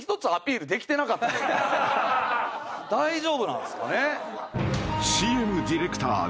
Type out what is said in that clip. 大丈夫なんすかね？